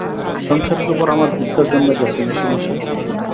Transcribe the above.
সংসারের উপর আমার ধিক্কার জন্মে গেছে, মেসোমশায়।